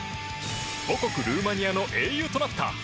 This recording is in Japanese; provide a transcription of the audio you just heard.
母国ルーマニアの英雄となった。